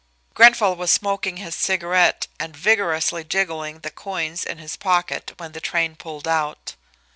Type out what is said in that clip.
Grenfall was smoking his cigarette and vigorously jingling the coins in his pocket when the train pulled out.